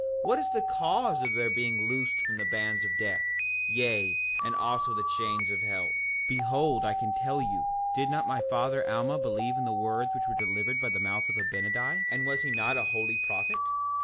What is the cause of their being loosed from the bands of death, yea, and also the chains of hell? 5:11 Behold, I can tell you—did not my father Alma believe in the words which were delivered by the mouth of Abinadi? And was he not a holy prophet?